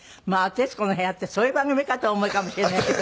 『徹子の部屋』ってそういう番組かとお思いかもしれないけど。